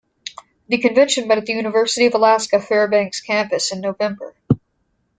The convention met at the University of Alaska Fairbanks campus in November.